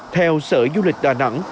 theo sở du lịch đà nẵng